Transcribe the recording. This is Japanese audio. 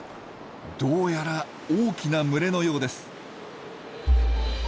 どうやら大きな群れのようです。